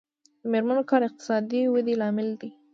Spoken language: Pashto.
د میرمنو کار د اقتصادي ودې لامل دی.